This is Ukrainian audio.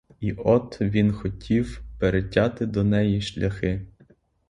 І от він хотів перетяти до неї шляхи!